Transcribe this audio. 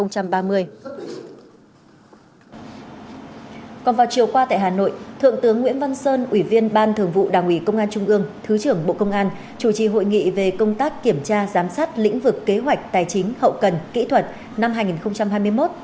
còn vào chiều qua tại hà nội thượng tướng nguyễn văn sơn ủy viên ban thường vụ đảng ủy công an trung ương thứ trưởng bộ công an chủ trì hội nghị về công tác kiểm tra giám sát lĩnh vực kế hoạch tài chính hậu cần kỹ thuật năm hai nghìn hai mươi một